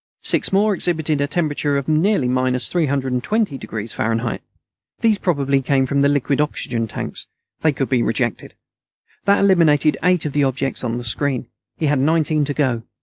Six more exhibited a temperature of near minus 320° F. These probably came from the liquid oxygen tanks. They could be rejected. That eliminated eight of the objects on the screen. He had nineteen to go.